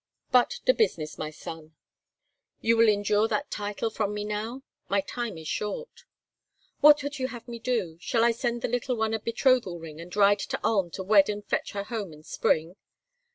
But to business, my son. You will endure that title from me now? My time is short." "What would you have me do? Shall I send the little one a betrothal ring, and ride to Ulm to wed and fetch her home in spring?"